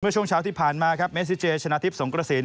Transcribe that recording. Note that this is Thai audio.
ช่วงเช้าที่ผ่านมาครับเมซิเจชนะทิพย์สงกระสิน